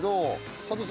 佐藤さん